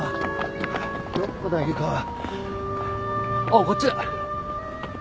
あっこっちだ。